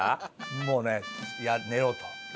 もうね寝ろと。